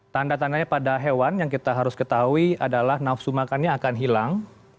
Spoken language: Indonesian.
tanda tandanya pada hewan yang kita harus ketahui adalah nafsu makannya akan hilang